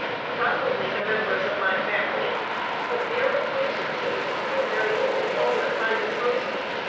Not only the members of my family, but mere acquaintances put their little all at my disposal.